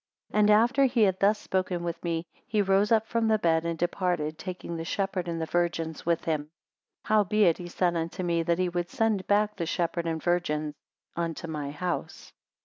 30 And after he had thus spoken with me, he rose up from the bed and departed, taking the shepherd and virgins with him. 31 Howbeit he said unto me, that he would send back the shepherd and virgins unto my house.